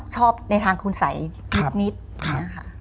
ชอบในทางคุณสัยนิดค่ะ